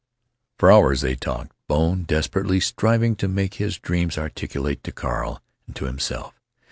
For hours they talked, Bone desperately striving to make his dreams articulate to Carl—and to himself.